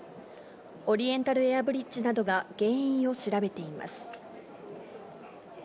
オリエンタルエアブリッジなどが原因を調べています。